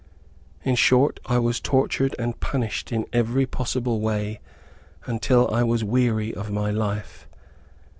In short, I was tortured and punished in every possible way, until I was weary of my life.